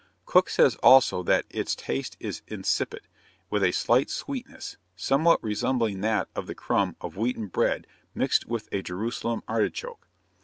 Cook says also that its taste is insipid, with a slight sweetness, somewhat resembling that of the crumb of wheaten bread mixed with a Jerusalem artichoke.